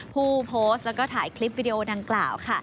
ผู้โพสต์แล้วก็ถ่ายคลิปวิดีโอดังกล่าวค่ะ